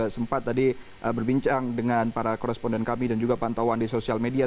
sempat tadi berbincang dengan para koresponden kami dan juga pantauan di sosial media